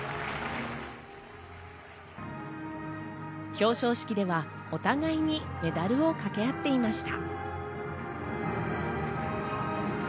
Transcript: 表彰式では、お互いにメダルをかけ合っていました。